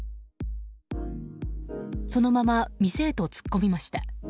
そのまま店へと突っ込みました。